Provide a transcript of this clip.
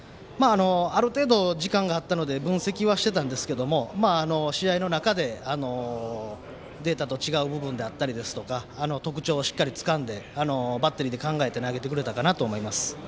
ある程度時間はあったので分析してたんですが試合の中でデータと違う部分であったり特徴をしっかりつかんでバッテリーで考えて投げてくれたかなと思います。